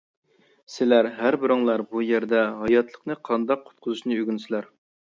سىلەر ھەر بىرىڭلار بۇ يەردە ھاياتلىقنى قانداق قۇتقۇزۇشنى ئۆگىنىسىلەر.